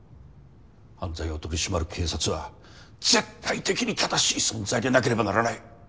犯罪を取り締まる警察は絶対的に正しい存在でなければならない。